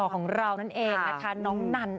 โปรดติดตามต่อไป